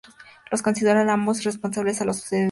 Los considera a ambos responsables de lo sucedido a su hija.